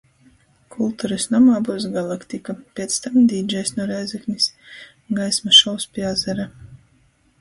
Kulturys nomā byus "Galaktika", piec tam dīdžejs nu Rēzeknis. Gaismu šovs pi azara.